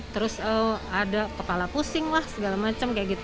terus ada kepala pusing lah segala macam kayak gitu